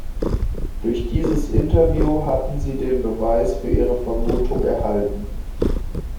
Durch dieses Interview hatten sie den Beweis für ihre Vermutung erhalten.